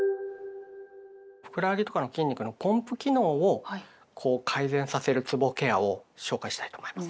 ふくらはぎとかの筋肉のポンプ機能をこう改善させるつぼケアを紹介したいと思います。